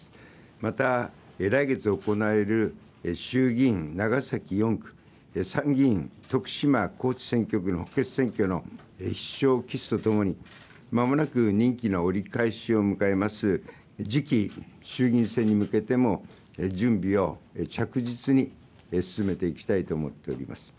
また、来月行われる衆議院長崎４区、参議院徳島、高知選挙区補欠選挙の必勝をきすとともに、まもなく任期の折り返しを迎えます、次期衆議院選に向けても、準備を着実に進めていきたいと思っております。